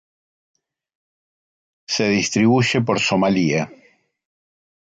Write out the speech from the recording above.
Se distribuye por Somalia.